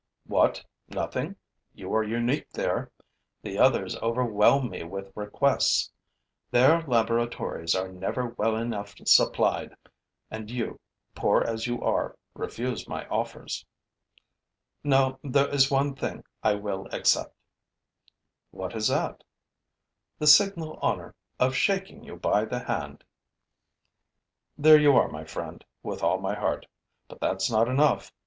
'What, nothing! You are unique there! The others overwhelm me with requests; their laboratories are never well enough supplied. And you, poor as you are, refuse my offers!' 'No, there is one thing which I will accept.' 'What is that?' 'The signal honor of shaking you by the hand.' 'There you are, my friend, with all my heart. But that's not enough.